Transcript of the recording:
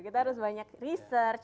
kita harus banyak research